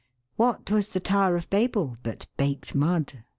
What was the Tower of Babel but baked mud